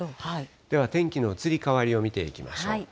では天気の移り変わりを見ていきましょう。